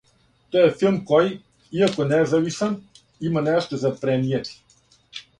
То је филм који, иако независан, има нешто за пренијети.